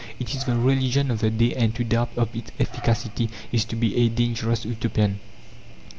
It is the religion of the day, and to doubt of its efficacy is to be a dangerous Utopian.